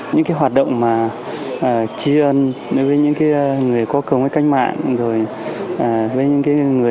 những hoạt động chi ơn với những người có cầu mấy canh mạng